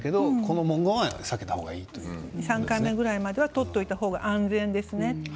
３回目ぐらいまでは取っておいた方が安全です。